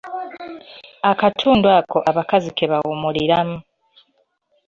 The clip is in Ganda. Akatundu ako abakazi ke bawummuliramu.